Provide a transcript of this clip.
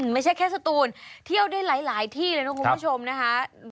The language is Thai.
ไม่ใช่แค่สตูนเที่ยวได้หลายที่เลยนะคุณผู้ชมนะคะ